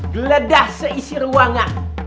geledah seisi ruangan